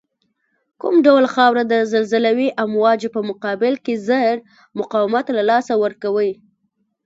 کوم ډول خاوره د زلزلوي امواجو په مقابل کې زر مقاومت له لاسه ورکوی